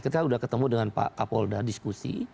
kita sudah ketemu dengan pak kapolda diskusi